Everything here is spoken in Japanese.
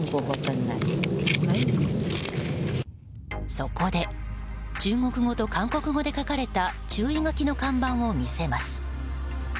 そこで中国語と韓国語で書かれた注意書きの看板を見せます。